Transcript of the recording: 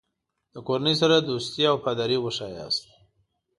د کورنۍ سره دوستي او وفاداري وښیاست.